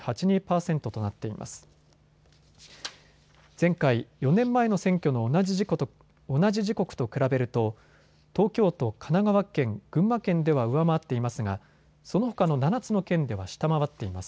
前回４年前の選挙の同じ時刻と比べると、東京都、神奈川県、群馬県では上回っていますがそのほかの７つの県では下回っています。